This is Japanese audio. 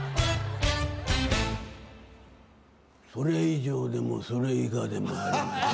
それ以上でもそれ以下でもありません。